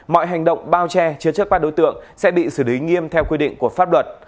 mọi hành động bao che chứa chấp các đối tượng sẽ bị xử lý nghiêm theo quy định của pháp luật